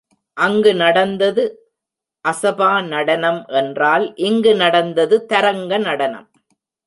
அங்கு நடந்தது அசபா நடனம் என்றால் இங்கு நடந்தது தரங்க நடனம்.